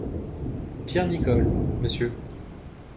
Pierre Nicole, Monsieur.